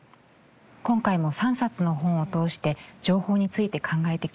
今回も３冊の本を通して情報について考えてきましたがいかがでしたか？